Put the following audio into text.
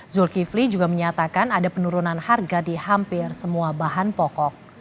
zulkifli juga menyatakan ada penurunan harga di hampir semua bahan pokok